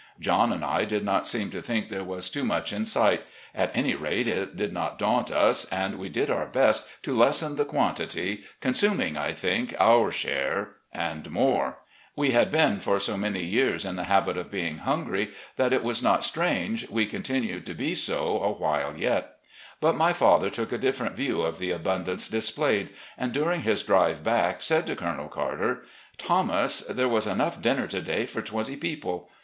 John and I did not seem to think there was too much in sight — at any rate, it did not daunt us, and we did our best to lessen the quantity, con suming, I think, our share and more ! We had been for so many years in the habit of being htmgry that it was not strange we continued to be so awhile yet. But my father took a different view of the abundance displayed, and, dturing his drive back, said to Colonel Carter: "Thomas, there was enough dinner to day for twenty people.